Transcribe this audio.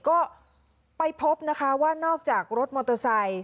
ก็ไปพบนะคะว่านอกจากรถมอเตอร์ไซค์